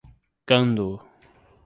Gandu